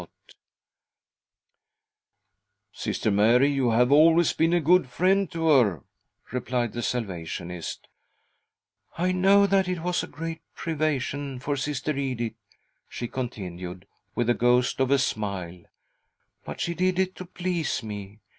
•;• ■•■v.. ^....r ^!? 80 THY SOUL SHALL BEAR WITNESS !" Sister Mary, you have always been a good friend to her," replied the Salvationist. "I know that it was a great privation for Sister Edith," she continued, with the ghost of a smile, " but she did it to please me.